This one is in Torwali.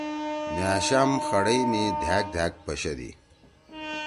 نیاشام خڑئی می دھأک دھأک پشَدی۔